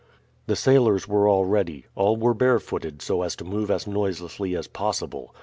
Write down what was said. The sailors were all ready. All were barefooted so as to move as noiselessly as possible.